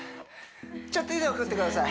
ちょっと腕を振ってください